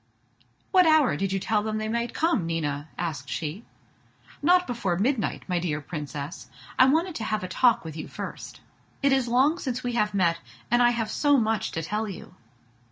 "What hour did you tell them they might come, Nina?" asked she. "Not before midnight, my dear Princess; I wanted to have a talk with you first. It is long since we have met, and I have so much to tell you."